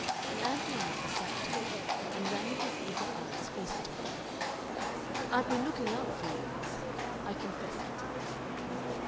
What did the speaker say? Ann Veronica sat down, and Ramage's eager eyes feasted on her. "I've been looking out for you," he said. "I confess it."